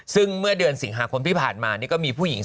ซึ่งเมื่อเดือนสิงหาคมที่ผ่านมานี่ก็มีผู้หญิง